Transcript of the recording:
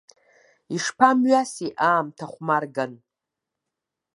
Ишԥамҩаси аамҭа хәмарган!